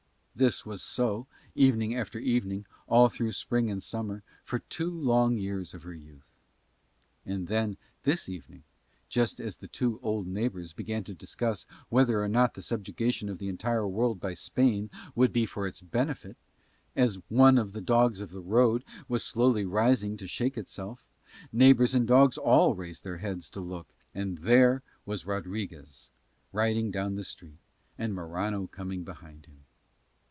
This was so evening after evening all through spring and summer for two long years of her youth. And then, this evening, just as the two old neighbours began to discuss whether or not the subjugation of the entire world by Spain would be for its benefit, just as one of the dogs in the road was rising slowly to shake itself, neighbours and dogs all raised their heads to look, and there was Rodriguez riding down the street and Morano coming behind him.